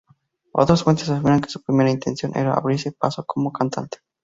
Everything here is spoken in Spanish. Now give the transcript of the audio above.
Otras fuentes afirman que su primera intención era abrirse paso como cantante.